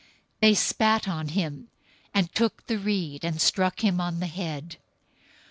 027:030 They spat on him, and took the reed and struck him on the head.